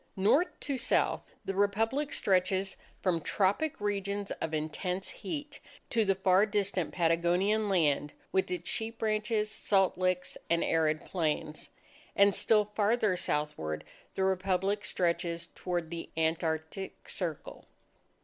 North to South, the Republic stretches from tropic regions of intense heat to the far distant Patagonian land with its sheep ranches, salt licks, and arid plains, and still farther southward the Republic stretches toward the Antartic Circle.